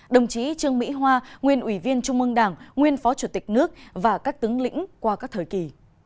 đồng chí trương mỹ hoa nguyên ủy viên trung mương đảng nguyên phó chủ tịch nước và các tướng lĩnh qua các thời kỳ